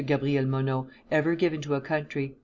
Gabriel Monod, "ever given to a country.